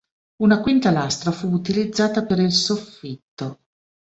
Una quinta lastra fu utilizzata per il soffitto.